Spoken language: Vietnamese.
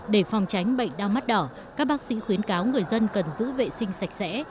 để phòng tránh bệnh đau mắt đỏ các bác sĩ khuyến cáo người dân cần giữ vệ sinh sạch sẽ